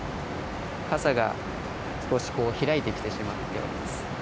かさが少しこう開いてきてしまっています。